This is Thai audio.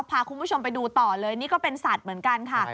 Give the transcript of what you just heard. พาคุณผู้ชมไปดูต่อเลยนี่ก็เป็นสัตว์เหมือนกันค่ะ